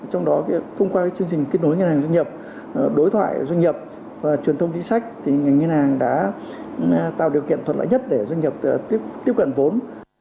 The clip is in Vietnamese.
trong đó thông qua chương trình kết nối ngân hàng doanh nghiệp đối thoại doanh nghiệp và truyền thông chính sách thì ngành ngân hàng đã tạo điều kiện thuận lợi nhất để doanh nghiệp tiếp cận vốn